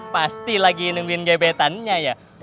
pasti lagi nunggin gebetannya ya